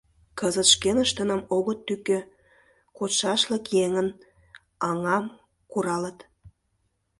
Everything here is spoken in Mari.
Кызыт шкеныштыным огыт тӱкӧ, кодшашлык еҥын аҥам куралыт.